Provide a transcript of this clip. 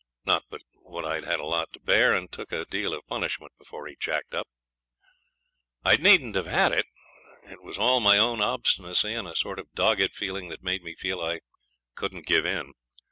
Not but what I'd had a lot to bear, and took a deal of punishment before he jacked up. I needn't have had it. It was all my own obstinacy and a sort of dogged feeling that made me feel I couldn't give in.